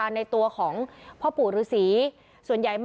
ทั้งหมดนี้คือลูกศิษย์ของพ่อปู่เรศรีนะคะ